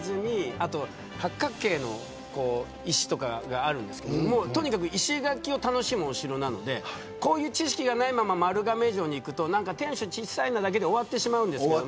あと八角形の石とかがあるんですけどとにかく石垣を楽しむお城なのでこういう知識がないまま丸亀城に行くと天守小さいなだけで終わってしまうんですけど